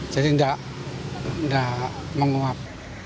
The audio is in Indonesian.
jadi tidak menguap